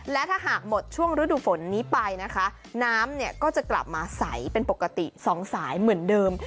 และถ้าหากหมดช่วงฤดูฝนนี้ไปนะคะน้ำเนี่ยก็จะกลับมาใสเป็นปกติสองสายเหมือนเดิม